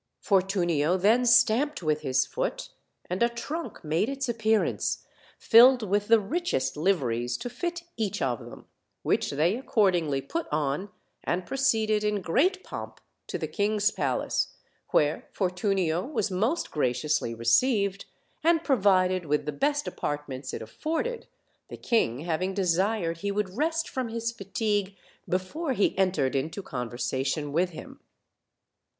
Fortunio then stamped with his foot, and a trunk made its appearance, liiled with the richest liveries to fit each of them; which they accordingly put on, and proceeded in great pomp to the king's palace, where Fortunio was most graciously received, and provided with the best apartments it a5'orded, the king having desired he would rest from his fatigue before he entered into conversation with him.